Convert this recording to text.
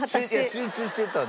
集中してた。